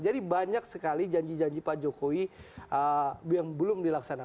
jadi banyak sekali janji janji pak jokowi yang belum dilaksanakan